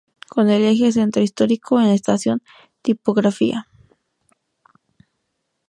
Con el eje Centro Histórico en la estación "Tipografía".